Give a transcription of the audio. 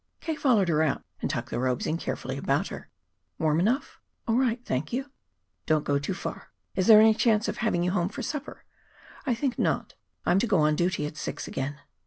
K. followed her out and tucked the robes in carefully about her. "Warm enough?" "All right, thank you." "Don't go too far. Is there any chance of having you home for supper?" "I think not. I am to go on duty at six again."